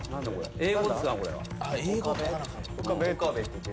英語です。